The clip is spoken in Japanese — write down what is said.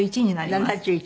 ７１。